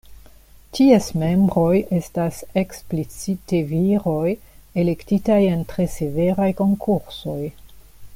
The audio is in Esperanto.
Ties membroj estas eksplicite viroj, elektitaj en tre severaj konkursoj.